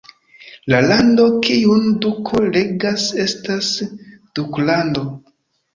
La lando kiun duko regas estas duklando.